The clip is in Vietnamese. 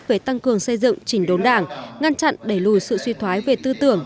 về tăng cường xây dựng chỉnh đốn đảng ngăn chặn đẩy lùi sự suy thoái về tư tưởng